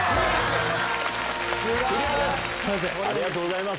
ありがとうございます。